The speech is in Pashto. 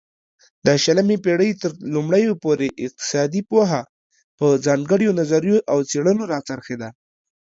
د شلمې پيړۍ ترلومړيو پورې اقتصادي پوهه په ځانگړيو نظريو او څيړنو را څرخيده